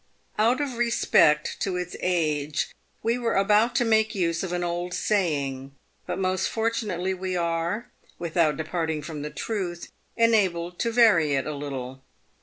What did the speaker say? Out of respect to its age, we were about to make use of an old saying, but most fortunately we are, without departing from the truth, enabled to vary it a little.